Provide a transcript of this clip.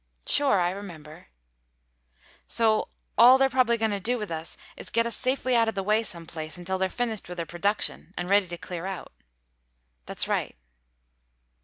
"Sure. I remember," Sandy said. "So all they're probably going to do with us is get us safely out of the way some place, until they're finished with their production and ready to clear out." "That's right."